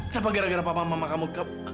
kenapa gara gara papa mama kamu